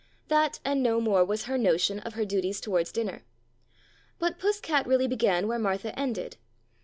That and no more was her notion of her duties towards dinner. But Puss cat really began where Martha ended.